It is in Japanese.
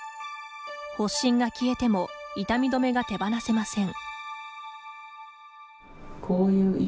発疹が消えても痛み止めが手放せません。